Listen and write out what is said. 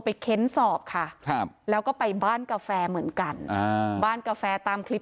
เค้นสอบค่ะครับแล้วก็ไปบ้านกาแฟเหมือนกันบ้านกาแฟตามคลิป